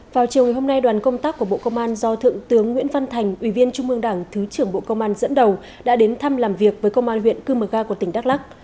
vào chiều ngày hôm nay đoàn công tác của bộ công an do thượng tướng nguyễn văn thành ủy viên trung mương đảng thứ trưởng bộ công an dẫn đầu đã đến thăm làm việc với công an huyện cư mờ ga của tỉnh đắk lắc